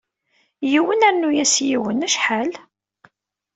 Yiwen rnu-as yiwen, acḥal?